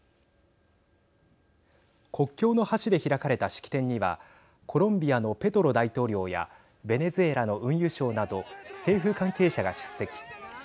国境の橋で開かれた式典にはコロンビアのペトロ大統領やベネズエラの運輸相など政府関係者らが出席。